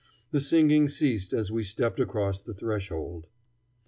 The singing ceased as we stepped across the threshold.